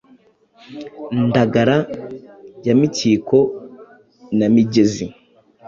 Ndagara ya Mikiko na Migezi,